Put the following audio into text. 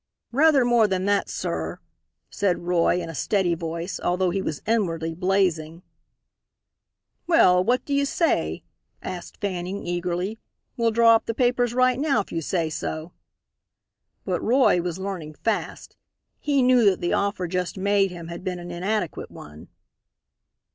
"Rather more than that, sir," said Roy, in a steady voice, although he was inwardly blazing. "Well, what do you say?" asked Fanning, eagerly. "We'll draw up the papers right now if you say so." But Roy was learning fast. He knew that the offer just made him had been an inadequate one.